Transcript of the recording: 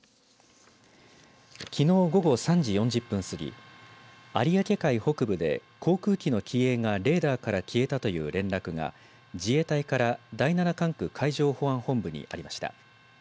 きのう午後３時４０分過ぎ有明海北部で航空機の機影がレーダーから消えたという連絡が、自衛隊から第七管区海上保安本部にありました。